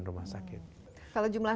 rumah sakit kalau jumlah